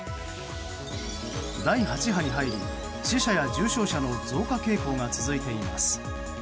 第８波に入り、死者や重症者の増加傾向が続いてています。